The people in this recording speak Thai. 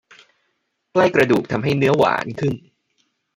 ใกล้กระดูกทำให้เนื้อหวานขึ้น